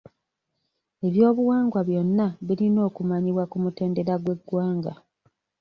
Eby'obuwangwa byonna birina okumanyibwa ku mutendera gw'eggwanga.